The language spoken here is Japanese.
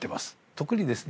特にですね